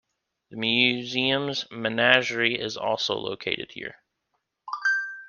The museum's Menagerie is also located here.